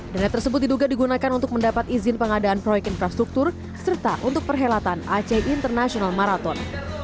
dana tersebut diduga digunakan untuk mendapat izin pengadaan proyek infrastruktur serta untuk perhelatan aceh international marathon